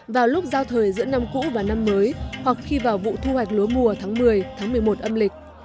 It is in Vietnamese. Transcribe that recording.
vào lúc giao thời giữa năm cũ và năm mới hoặc khi vào vụ thu hoạch lúa mùa tháng một mươi tháng một mươi một âm lịch